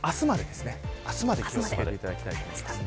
明日まで気を付けていただきたいです。